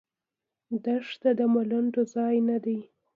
دښته د ملنډو ځای نه دی.